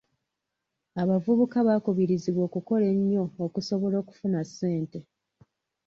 Abavubuka baakubirizibwa okukola ennyo okusobola okufuna ssente.